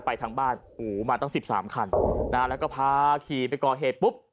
ทางบ้านอู๋มาตั้ง๑๓คันนะฮะแล้วก็พาขี่ไปก่อเหตุปุ๊บ